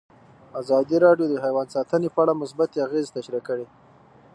ازادي راډیو د حیوان ساتنه په اړه مثبت اغېزې تشریح کړي.